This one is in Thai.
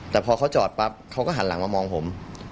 แต่พอเขาจอดปั๊บเขาก็หันหลังมามองผม